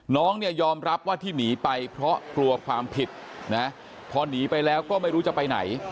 น้องเนี่ยยอมรับว่าที่หนีไปเพราะกลัวความผิดนะพอหนีไปแล้วก็ไม่รู้จะไปไหน